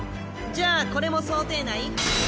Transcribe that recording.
じゃあこれも想定内？